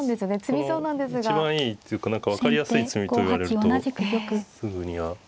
一番いいっていうか何か分かりやすい詰みと言われるとすぐには。